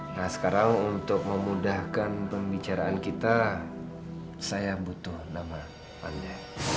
nah sekarang untuk memudahkan pembicaraan kita saya butuh nama anda